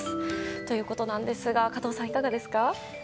ということなんですが加藤さん、いかがですか？